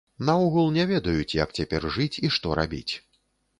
Наогул, не ведаюць, як цяпер жыць і што рабіць.